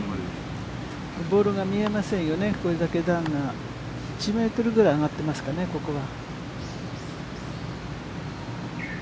ボールが見えませんよね、これだけ段が１メートルぐらい上がっていますかね、ここは。